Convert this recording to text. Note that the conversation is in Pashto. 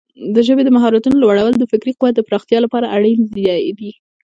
د ژبې د مهارتونو لوړول د فکري قوت د پراختیا لپاره اړین دي.